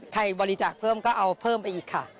ใครบริจาคเพิ่มก็เอาเพิ่มไปอีกค่ะ